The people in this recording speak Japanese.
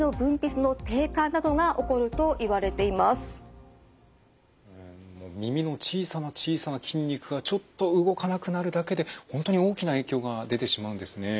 顔面神経がうまく働きませんと耳の小さな小さな筋肉がちょっと動かなくなるだけで本当に大きな影響が出てしまうんですね。